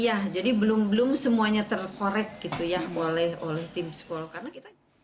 iya jadi belum belum semuanya terkorek gitu ya oleh tim sekolah karena kita